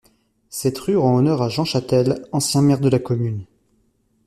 Cette rue rend honneur à Jean Chatel, ancien maire de la commune.